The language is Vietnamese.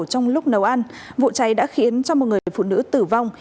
trong lúc nấu ăn vụ cháy đã khiến cho một người phụ nữ tử vong